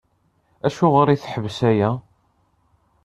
Acuɣer i teḥbes aya?